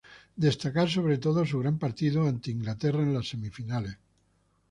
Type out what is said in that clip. Destacar sobre todo su gran partido ante Inglaterra en las semifinales.